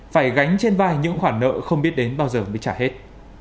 phải gánh trên vai những khoản nợ không biết đến bao giờ mới trả hết